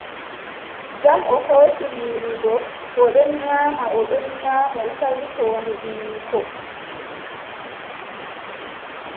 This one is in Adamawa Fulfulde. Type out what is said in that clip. Jam, o hooci nyiiri goo, o ɗon nyaama, o ɗon nyaama, o tawi hoondu ɓiyiiko .